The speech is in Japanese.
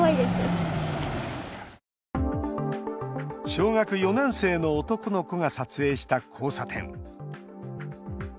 小学４年生の男の子が撮影した交差点。